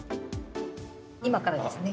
今からですね。